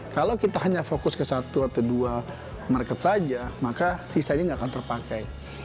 kalau kita hanya fokus ke satu atau dua market saja maka sisanya nggak akan terpakai